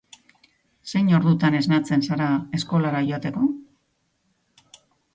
Zein ordutan esnatzen zara eskolara joateko?